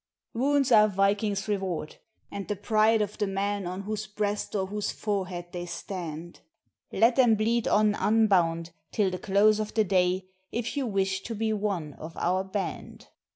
"Wounds are viking's reward, and the pride of the man on whose breast or whose forehead they stand; Let them bleed on unbound till the close of the day, if you wish to be one of our band."